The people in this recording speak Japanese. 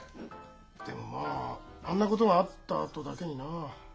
でもまああんなことがあったあとだけにな。